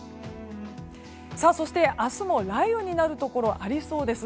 そして明日も雷雨になるところがありそうです。